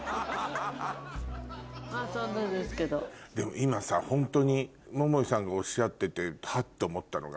今さホントに桃井さんがおっしゃっててハッと思ったのが。